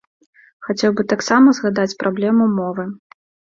Хацеў бы таксама згадаць праблему мовы.